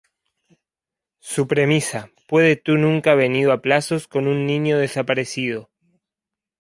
Su premisa: Puede tú nunca venido a plazos con un niño desaparecido?